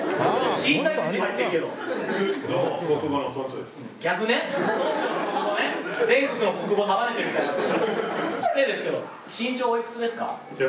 失礼ですけど身長おいくつですか？